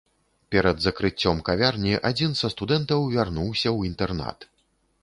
Перад закрыццём кавярні адзін са студэнтаў вярнуўся ў інтэрнат.